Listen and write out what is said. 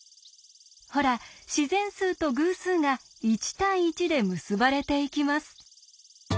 ほら自然数と偶数が１対１で結ばれていきます。